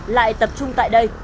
lại tập trung tại đây